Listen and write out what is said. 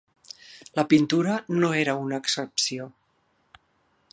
La pintura no era una excepció.